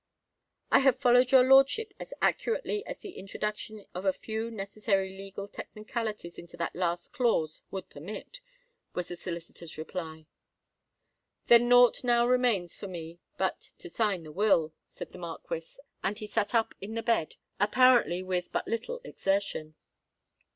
"I have followed your lordship as accurately as the introduction of a few necessary legal technicalities into that last clause would permit," was the solicitor's reply. "Then naught now remains for me but to sign the will," said the Marquis; and he sate up in the bed, apparently with but little exertion.